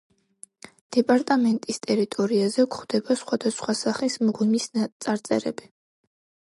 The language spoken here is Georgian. დეპარტამენტის ტერიტორიაზე გვხვდება სხვადასხვა სახის მღვიმის წარწერები.